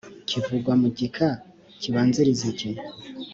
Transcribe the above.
kivugwa mu gika kibanziriza iki